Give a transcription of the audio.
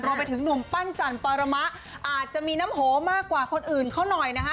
รวมไปถึงหนุ่มปั้นจันปรมะอาจจะมีน้ำโหมากกว่าคนอื่นเขาหน่อยนะฮะ